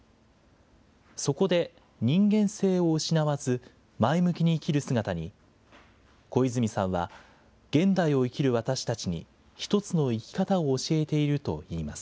そこで人間性を失わず、前向きに生きる姿に、小泉さんは現代を生きる私たちに、一つの生き方を教えているといいます。